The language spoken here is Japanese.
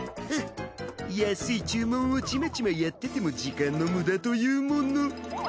フッ安い注文をちまちまやってても時間の無駄というもの。